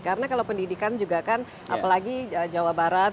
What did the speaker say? karena kalau pendidikan juga kan apalagi jawa barat